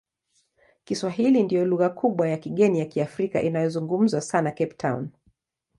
Kiswahili ndiyo lugha kubwa ya kigeni ya Kiafrika inayozungumzwa sana Cape Town.